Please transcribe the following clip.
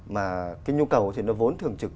mà cái nhu cầu thì nó vốn thường trực